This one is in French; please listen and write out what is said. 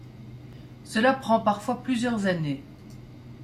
Cela prend parfois plusieurs années.